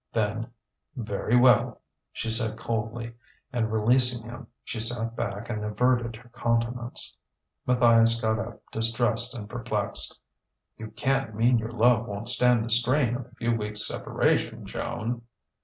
Then: "Very well," she said coldly, and releasing him, she sat back and averted her countenance. Matthias got up, distressed and perplexed. "You can't mean your love won't stand the strain of a few weeks' separation, Joan!"